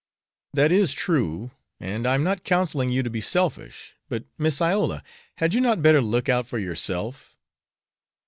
"That is true; and I am not counseling you to be selfish; but, Miss Iola, had you not better look out for yourself?"